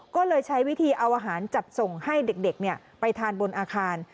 ก็เลยใช้วิธีเอาอาหารจัดส่งให้เด็กไปทานบนอาคาร